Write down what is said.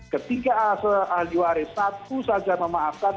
ketika ahli waris satu saja memaafkan